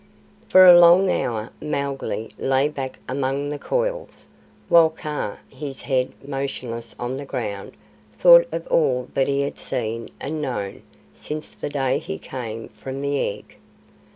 For a long hour Mowgli lay back among the coils, while Kaa, his head motionless on the ground, thought of all that he had seen and known since the day he came from the egg.